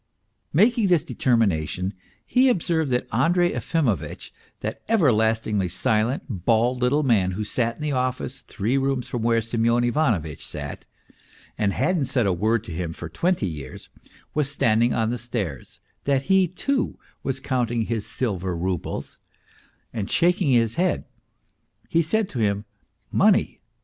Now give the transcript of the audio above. Making this determination he observed that Andrey Efimovitch, that ever lastingly silent, bald little man who sat in the office three rooms from where Semyon Ivanovitch sat, and hadn't said a word to him for twenty years, was standing on the stairs, that he, too, was counting his silver roubles, and shaking his head, he said to him :" Money